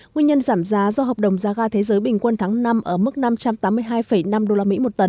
nguyên nhân giảm giá do học đồng giá gà thế giới bình quân tháng năm ở mức năm trăm tám mươi hai năm đô la mỹ một tấn